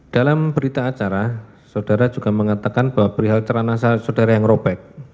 dalam berita acara saudara juga mengatakan bahwa beri hal celana saudara yang robek